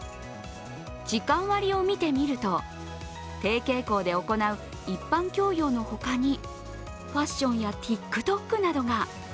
時間割を見てみると、提携校で行う一般教養の他にファッションやＴｉｋＴｏｋなどが。